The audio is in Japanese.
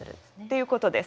ということです。